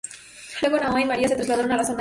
Luego Noah y María se trasladaron a la zona de St.